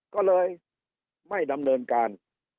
ก็เลยไม่ดำเนินการ